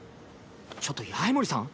ちょっと八重森さん